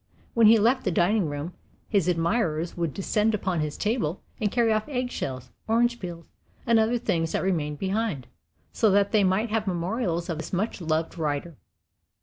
When he left the dining room, his admirers would descend upon his table and carry off egg shells, orange peels, and other things that remained behind, so that they might have memorials of this much loved writer.